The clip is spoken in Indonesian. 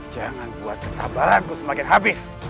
jangan buat kesabaranku semakin habis